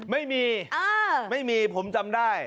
ไม่มีไม่มีผมจำได้